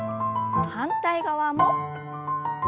反対側も。